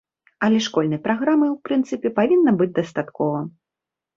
Але школьнай праграмы ў прынцыпе павінна быць дастаткова.